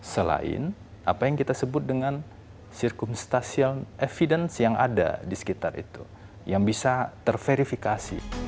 selain apa yang kita sebut dengan circum statial evidence yang ada di sekitar itu yang bisa terverifikasi